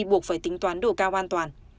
buộc phải tính toán độ cao an toàn